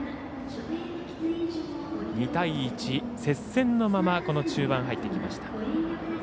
２対１、接戦のままこの中盤、入ってきました。